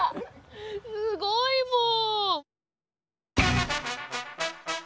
すごいもん。